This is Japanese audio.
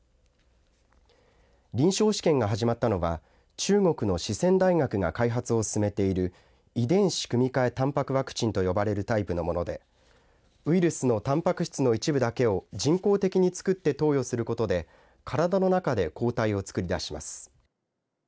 臨床試験が始まったのは中国の四川大学が開発を進めている遺伝子組み換えたんぱくワクチンと呼ばれるタイプのものでウイルスのたんぱく質の一部だけを人工的に作って投与することで体の中で抗体をつくり出します。